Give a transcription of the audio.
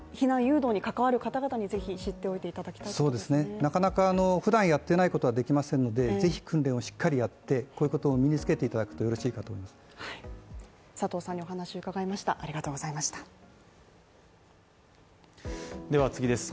なかなか普段やってないことはできませんのでぜひ訓練をしっかりやって、こういうことを身につけていただくとよろしいかと思います。